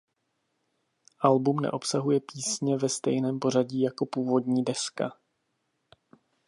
Album neobsahuje písně ve stejném pořadí jako původní deska.